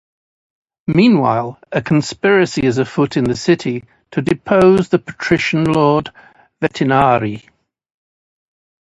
Meanwhile, a conspiracy is afoot in the city to depose the Patrician, Lord Vetinari.